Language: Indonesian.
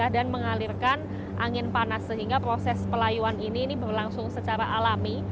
dan mengalirkan angin panas sehingga proses pelayuan ini berlangsung secara alami